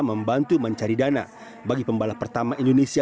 membantu mencari dana bagi pembalap pertama indonesia